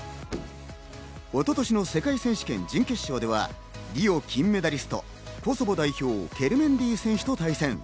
一昨年の世界選手権準決勝ではリオ金メダリスト、コソボ代表・ケルメンディ選手と対戦。